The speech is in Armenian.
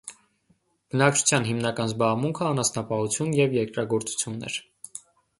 Բնակչության հիմնական զբաղմունքը անասնապահություն և երկրագործությունն էր։